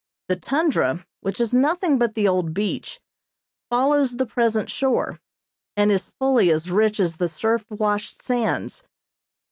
The tundra, which is nothing but the old beach, follows the present shore, and is fully as rich as the surf washed sands.